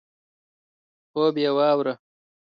خوب یې واوره.